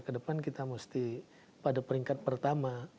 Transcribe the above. kedepan kita mesti pada peringkat pertama